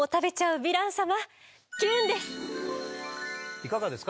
いかがですか？